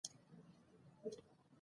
ملي بيرغ ته درناوی زموږ دنده ده.